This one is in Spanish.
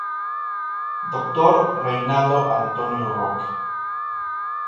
Dr. Reinaldo Antonio Roque.